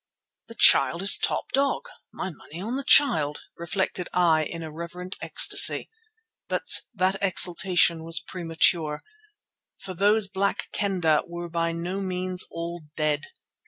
"The Child is top dog! My money on the Child," reflected I in irreverent ecstasy. But that exultation was premature, for those Black Kendah were by no means all dead.